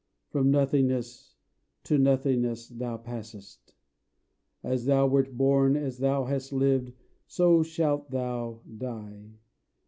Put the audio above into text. From nothingness to nothingness thou passest! As thou wert born As thou hast lived, so shalt thou die!